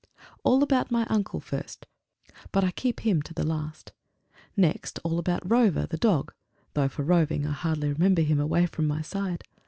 All about my uncle first; but I keep him to the last. Next, all about Rover, the dog though for roving, I hardly remember him away from my side!